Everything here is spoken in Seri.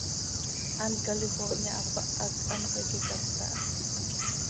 Hant Califórnia hapáh hac anxö iiqui capca ha.